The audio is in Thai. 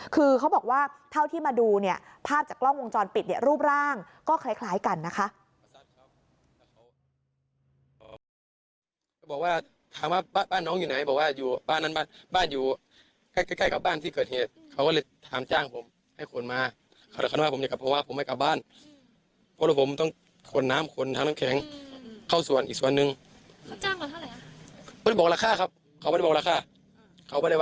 คือเขาบอกว่าเท่าที่มาดูเนี่ยภาพจากกล้องวงจรปิดเนี่ยรูปร่างก็คล้ายกันนะคะ